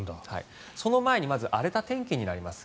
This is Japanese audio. その前にまず荒れた天気になります。